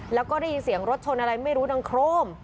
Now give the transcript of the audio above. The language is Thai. แล้วก็ได้ยินเสียงรถชนอะไรไม่รู้ดังโครม